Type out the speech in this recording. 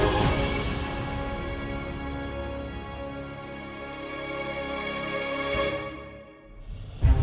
kembali ke rumah saya